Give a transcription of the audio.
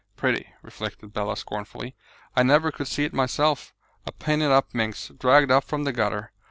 Pretty!" reflected Bella scornfully, "I never could see it myself; a painted up minx, dragged up from the gutter.